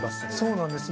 そうなんです